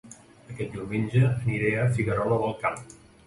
Aquest diumenge aniré a Figuerola del Camp